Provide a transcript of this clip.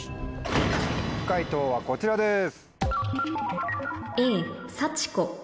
解答はこちらです。